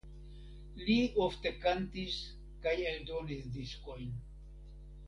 Li ofte kantis kaj eldonis diskojn.